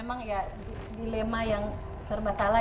emang ya dilema yang serba salah